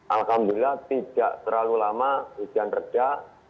alhamdulillah tidak terlalu lama hujan reda